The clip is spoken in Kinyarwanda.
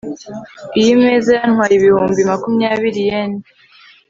iyi meza yantwaye ibihumbi makumyabiri yen